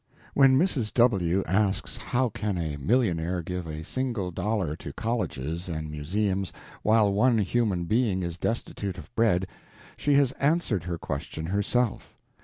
—When Mrs. W. asks how can a millionaire give a single dollar to colleges and museums while one human being is destitute of bread, she has answered her question herself.